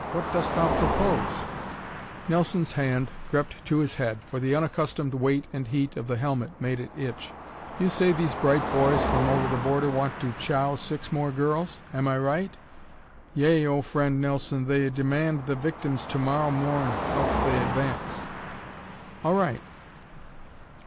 "What dost thou propose?" Nelson's hand crept to his head, for the unaccustomed weight and heat of the helmet made it itch. "You say these bright boys from over the border want to chow six more girls? Am I right?" "Yea, oh Friend Nelson, they demand the victims to morrow morn, else they advance." "All right."